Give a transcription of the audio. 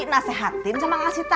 nasehatin sama ngasih tau